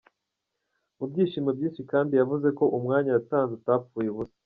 Mu byishimo byinshi kandi yavuze ko umwanya yatanze utapfuye ubusa.